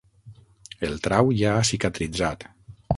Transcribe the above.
El trau ja ha cicatritzat.